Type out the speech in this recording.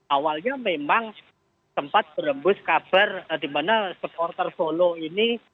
awalnya memang sempat berembus kabar dimana supporter follow ini